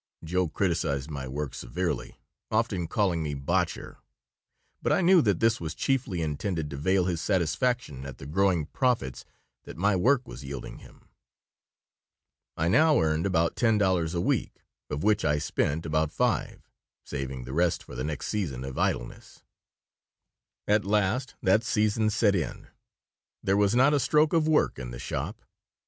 Joe criticized my work severely, often calling me botcher, but I knew that this was chiefly intended to veil his satisfaction at the growing profits that my work was yielding him I now earned about ten dollars a week, of which I spent about five, saving the rest for the next season of idleness At last that season set in. There was not a stroke of work in the shop.